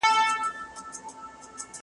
یوه ورځ دهقان له کوره را وتلی